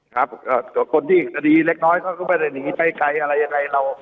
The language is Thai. ครับก็คนที่สดีเล็กน้อยก็ไปหนีใจใครอะไรยังไงเรา